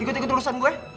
ikut ikut urusan gue